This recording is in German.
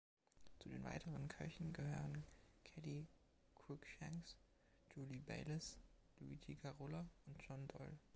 Zu den weiteren Köchen gehören Kelly Cruickshanks, Julie Baylis, Luigi Carola und John Doyle.